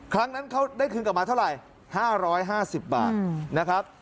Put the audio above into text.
ครั้งนั้นเขาได้คืนกลับมาเท่าไหร่๕๕๐บาทนะครับ